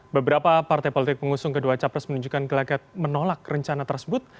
beberapa partai politik pengusung kedua capres menunjukkan gelagat menolak rencana tersebut